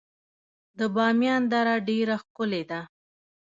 د بامیان دره ډیره ښکلې ده